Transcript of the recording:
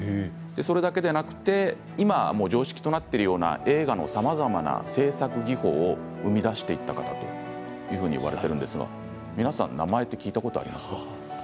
それだけではなく今常識となっているような映画のさまざまな製作技法を生み出してった方だといわれているんですが、皆さん、名前は聞いたことありますか？